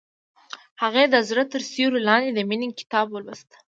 هغې د زړه تر سیوري لاندې د مینې کتاب ولوست.